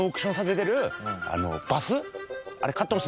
バス！？